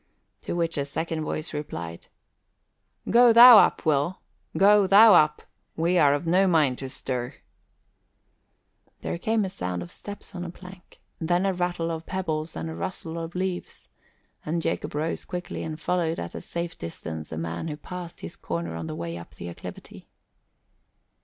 To which a second voice replied, "Go thou up, Will, go thou up! We are of no mind to stir." There came the sound of steps on a plank, then a rattle of pebbles and a rustle of leaves; and Jacob rose quickly and followed at a safe distance a man who passed his corner on the way up the acclivity.